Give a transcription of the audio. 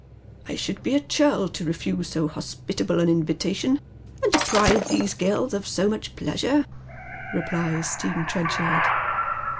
" I should be a churl to refuse so hospitable an invitation, and deprive these girls of so much pleasure," replies Stephen Tren chard.